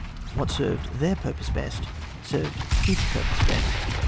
What served their purpose best served its purpose best.